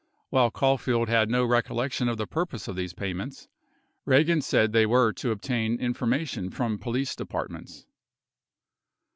While Caul field had no recollection of the purpose of these payments, Eagan said they were to obtain information from police departments.